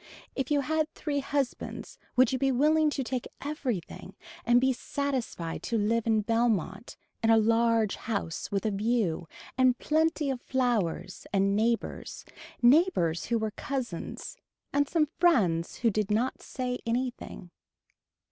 If you had three husbands would you be willing to take everything and be satisfied to live in Belmont in a large house with a view and plenty of flowers and neighbors, neighbors who were cousins and some friends who did not say anything.